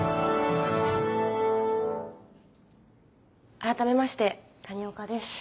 改めまして谷岡です